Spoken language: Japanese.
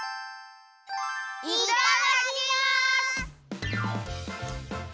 いただきます！